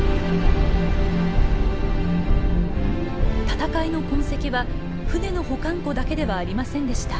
戦いの痕跡は船の保管庫だけではありませんでした。